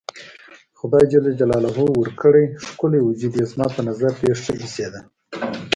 خدای ورکړی ښکلی وجود یې زما په نظر ډېر ښه ایسېده.